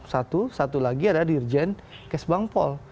satu satu lagi ada dirjen kes bangpol